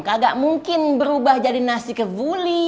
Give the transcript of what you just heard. kagak mungkin berubah jadi nasi kevuli